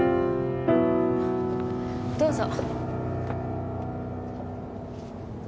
どうぞ。